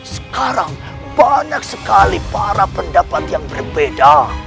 sekarang banyak sekali para pendapat yang berbeda